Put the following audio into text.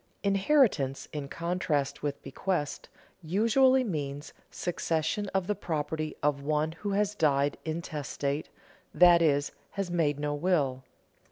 _ Inheritance, in contrast with bequest, usually means succession to the property of one who has died intestate, that is, has made no will.